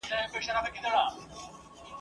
هم په دام کي وه دانه هم غټ ملخ وو ..